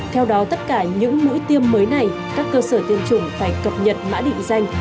theo đó tất cả những mũi tiêm mới này các cơ sở tiêm chủng phải cập nhật mã định danh